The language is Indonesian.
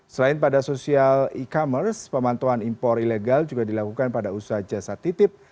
selain pada sosial e commerce pemantauan impor ilegal juga dilakukan pada usaha jasa titip